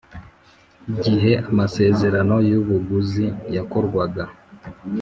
Gihe amasezerano y ubuguzi yakorwaga